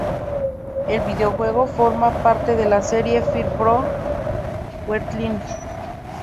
El videojuego forma parte de la serie "Fire Pro Wrestling".